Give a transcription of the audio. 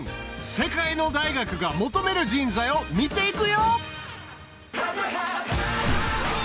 世界の大学が求める人材を見ていくよ！